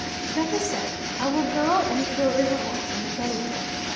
Then he said, 'I will go and kill river horse in the Benito.'